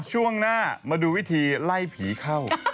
ช่วงหน้ามาดูวิธีไล่ผีเข้า